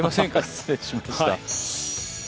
失礼しました。